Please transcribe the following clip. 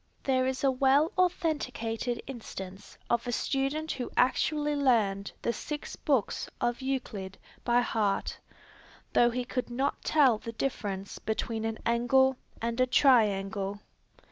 There is a well authenticated instance of a student who actually learned the six books of Euclid by heart, though he could not tell the difference between an angle and a triangle.